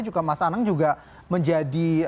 juga mas anang juga menjadi